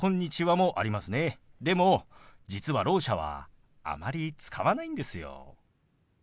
でも実はろう者はあまり使わないんですよ。